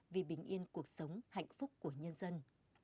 vì bình yên cuộc sống hạnh phúc của nhân dân